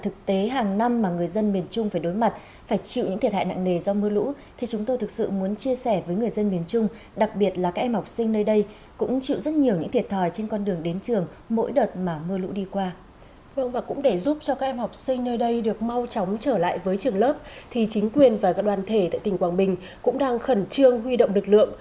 các đoàn thể tại tỉnh quảng bình cũng đang khẩn trương huy động lực lượng